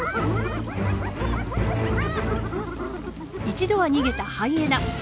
一度は逃げたハイエナ。